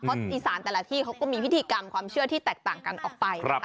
เพราะอีสานแต่ละที่เขาก็มีพิธีกรรมความเชื่อที่แตกต่างกันออกไป